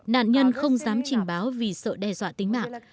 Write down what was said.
nạn nhân không dám trình báo vì sợ đe dọa tính mạng